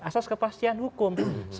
asas kepastian hukum